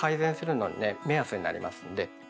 目安になりますんで。